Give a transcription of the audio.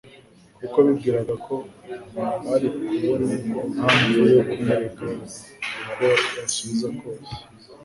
kuko bibwiraga ko bari bubone impamvu yo kumurega uko yasubiza kose.